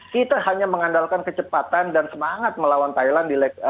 kita hanya mengandalkan kecepatan dan semangat melawan thailand di leg satu